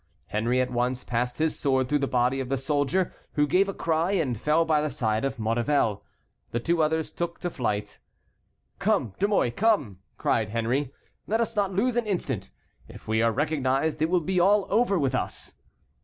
Henry at once passed his sword through the body of the soldier, who gave a cry and fell by the side of Maurevel. The two others took to flight. "Come, De Mouy, come!" cried Henry, "let us not lose an instant; if we are recognized it will be all over with us."